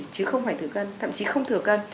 chứ không phải thừa cân thậm chí không thừa cân